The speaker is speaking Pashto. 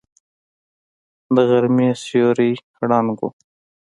د غرمې سيوری ړنګ و.